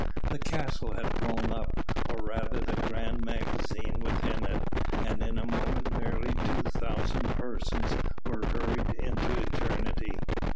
The castle had blown up, or rather the grand magazine within it, and in a moment nearly two thousand persons were hurried into eternity.